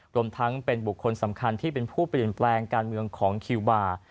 รวมทั้งเป็นบุคคลสำคัญที่เป็นผู้เปลี่ยนแปลงการเมืองของคิวบาร์